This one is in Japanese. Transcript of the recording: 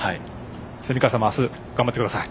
蝉川さんも明日、頑張ってください。